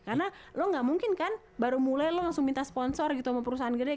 karena lo gak mungkin kan baru mulai lo langsung minta sponsor gitu sama perusahaan gede